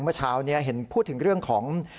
เมื่อเช้านี้เห็นพูดถึงเรื่องของ